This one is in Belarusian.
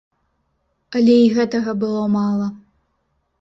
Але і гэтага было мала.